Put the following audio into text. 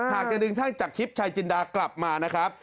หากจะดึงท่านจากทิพย์ชายจินดากลับมานะครับ